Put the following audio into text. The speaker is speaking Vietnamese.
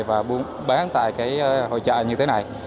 và bán tại hội trợ như thế này